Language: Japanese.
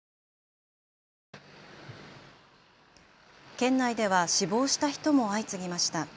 県内では死亡した人も相次ぎました。